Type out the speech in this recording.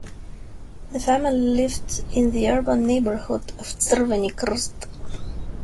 The family lived in the urban neighbourhood of Crveni Krst.